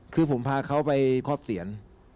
คือผมพาเขาไปครอบเสียน